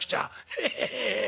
「ヘヘヘヘ」。